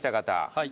はい。